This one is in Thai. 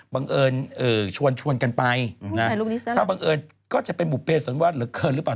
บังเอิญชวนกันไปถ้าบังเอิญก็จะเป็นบุภเพสันวัตรเหลือเกินหรือเปล่า